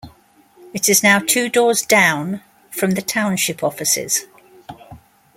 It is now two doors down from the Township offices.